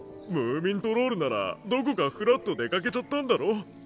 ムーミントロールならどこかフラッと出かけちゃったんだろ。